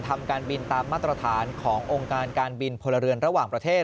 ทำการบินตามมาตรฐานขององค์การการบินพลเรือนระหว่างประเทศ